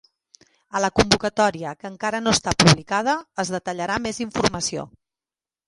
A la convocatòria, que encara no està publicada, es detallarà més informació.